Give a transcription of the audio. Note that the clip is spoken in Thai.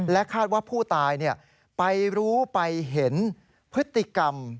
คาดว่าผู้ตายไปรู้ไปเห็นพฤติกรรม